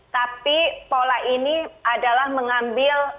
tapi pola ini adalah mengambil alih kontrol